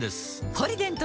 「ポリデント」